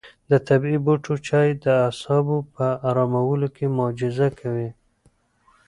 د طبیعي بوټو چای د اعصابو په ارامولو کې معجزه کوي.